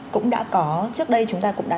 cũng đã có trước đây chúng ta cũng đã